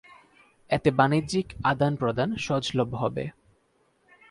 এতে বাণিজ্যিক আদান-প্রদান সহজলভ্য হবে।